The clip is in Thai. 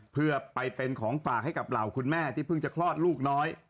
เพื่อไปเป็นของฝากให้กับเหล่าคุณแม่ที่เพิ่งจะคลอดลูกน้อย